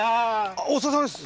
あお疲れさまです！